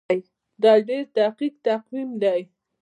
دا ډیر دقیق تقویم دی.